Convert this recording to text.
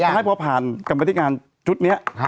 ถ้าสุดท้ายพอผ่านกรรมพยาบาลิการณ์จุดนี้